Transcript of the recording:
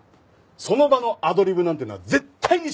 その場のアドリブなんてのは絶対に信用するな！